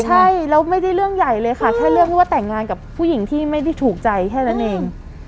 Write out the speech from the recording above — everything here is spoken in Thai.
ใช่แล้วไม่ได้เรื่องใหญ่เลยค่ะแค่เรื่องที่ว่าแต่งงานกับผู้หญิงที่ไม่ได้ถูกใจแค่นั้นเอง